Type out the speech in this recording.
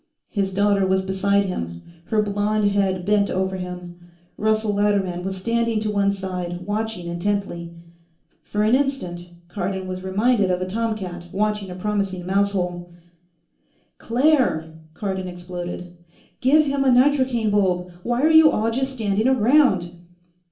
His daughter was beside him, her blond head bent over him; Russell Latterman was standing to one side, watching intently. For an instant, Cardon was reminded of a tomcat watching a promising mouse hole. "Claire!" Cardon exploded, "give him a nitrocaine bulb. Why are you all just standing around?"